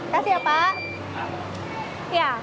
terima kasih pak